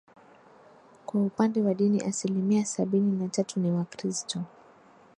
Kwa upande wa dini asilimia sabini na tatu ni Wakristo